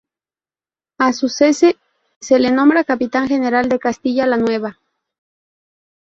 A su cese se le nombra Capitán General de Castilla la Nueva.